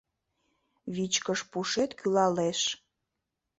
Вичкыж пушет кӱлалеш;